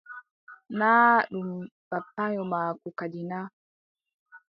Naa ɗum bappaayo maako kadi na.